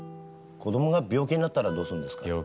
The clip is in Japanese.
子供が病気になったらどうするんですか？